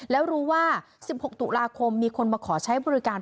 แล้วรู้ว่า๑๖ตุลาคมมีคนมาขอใช้บริการ